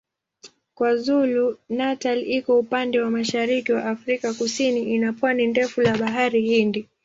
KwaZulu-Natal iko upande wa mashariki wa Afrika Kusini ina pwani ndefu la Bahari Hindi.